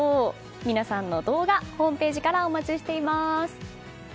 皆さんの動画、ホームページからお待ちしています。